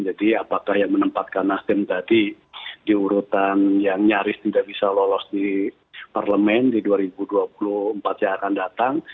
jadi apakah yang menempatkan nasdem tadi diurutan yang nyaris tidak bisa lolos di parlemen di dua ribu dua puluh empat yang akan datang